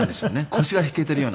腰が引けているような。